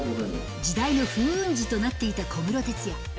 時代の風雲児となっていた小室哲哉。